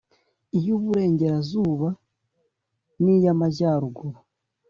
iy’uburengerazuba n’iy’amajyaruguru